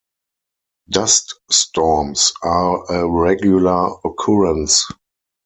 Dust storms are a regular occurrence.